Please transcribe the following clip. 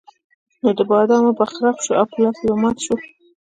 نو د بادامو به خرپ شو او په لاس کې به مات شول.